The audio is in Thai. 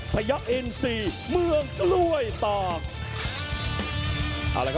พยะอินทรีย์เมืองกล้วยตาก